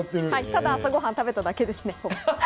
ただ、朝ご飯食べただけですね。